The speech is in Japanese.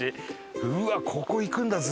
うわっここ行くんだずっと。